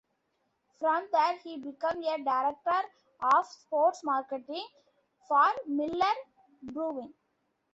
From there, he became a director of sports marketing for Miller Brewing.